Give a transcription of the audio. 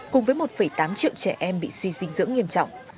cùng với một tám triệu trẻ em bị suy dinh dưỡng nghiêm trọng